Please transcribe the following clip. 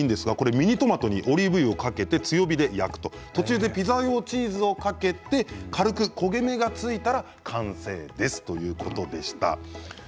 ミニトマトにオリーブ油をかけて強火で焼いて途中でピザ用チーズをかけて軽く焦げ目がついたら完成だそうです。